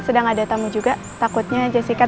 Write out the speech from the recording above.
sedang ada tamu juga takutnya jessica